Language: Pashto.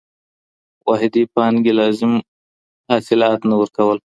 واحدې پانګي لازم حاصلات نه ورکول.